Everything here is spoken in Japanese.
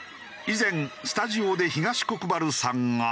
以前スタジオで東国原さんが。